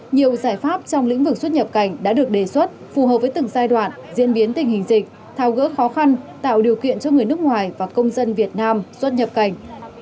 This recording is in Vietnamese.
nhiều giải pháp trong lĩnh vực xuất nhập cảnh đã được đề xuất phù hợp với từng giai đoạn diễn biến tình hình dịch thao gỡ khó khăn tạo điều kiện cho người nước ngoài và công dân việt nam xuất nhập cảnh